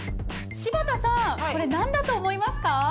柴田さんこれ何だと思いますか？